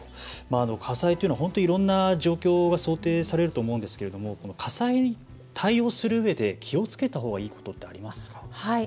火災というのは本当にいろんな状況が想定されると思うんですが火災を対応するうえで気をつけたほうがいいことはありますか？